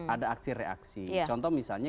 ada aksi reaksi contoh misalnya